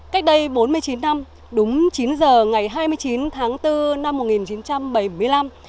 cách đây bốn mươi chín năm đúng chín giờ ngày hai mươi chín tháng bốn năm một nghìn chín trăm bảy mươi năm